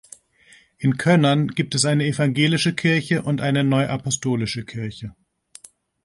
In Könnern gibt es eine Evangelische Kirche und eine Neuapostolische Kirche.